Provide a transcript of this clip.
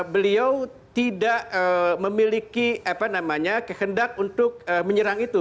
beliau tidak memiliki kehendak untuk menyerang itu